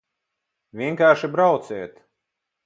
Vienkārši brauciet!